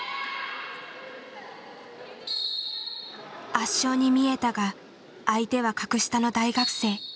圧勝に見えたが相手は格下の大学生。